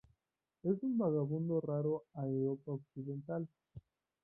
Es un vagabundo raro a Europa occidental.